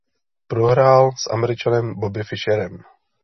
Prohrál s Američanem Bobby Fischerem.